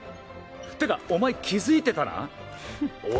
てかお前気付いてたな？